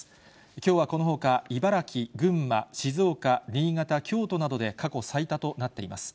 きょうはこのほか、茨城、群馬、静岡、新潟、京都などで過去最多となっています。